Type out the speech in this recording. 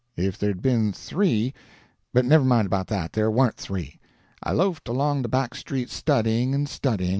If there'd been three—But never mind about that, there warn't three. I loafed along the back streets studying and studying.